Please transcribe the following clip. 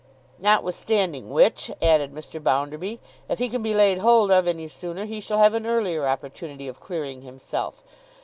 'Notwithstanding which,' added Mr. Bounderby, 'if he can be laid hold of any sooner, he shall have an earlier opportunity of clearing himself.